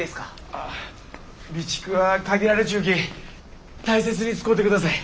あ備蓄は限られちゅうき大切に使うてください。